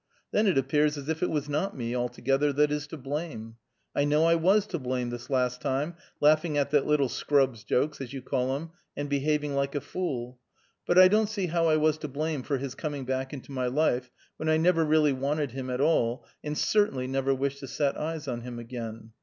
Then, it appears as if it was not me, altogether, that is to blame. I know I was to blame, this last time, laughing at that little 'scrub's' jokes as you call him, and behaving like a fool; but I don't see how I was to blame for his coming back into my life, when I never really wanted him at all, and certainly never wished to set eyes on him again.